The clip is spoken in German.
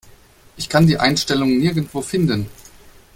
Ich kann die Einstellung nirgendwo finden.